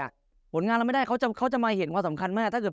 อ่ะผลงานไม่ได้เขาจะเขาจะมาเห็นความสำคัญแม่ถ้าเกิด